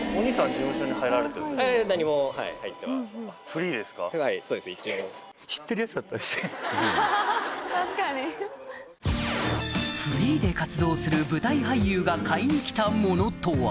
フリーで活動する舞台俳優が買いに来たものとは？